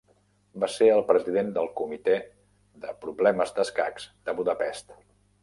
Va ser el president del Comitè de problemes d'escacs de Budapest.